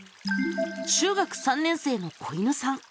中学３年生の子犬さん。